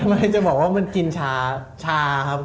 ไม่จะบอกว่ามันกินชาครับ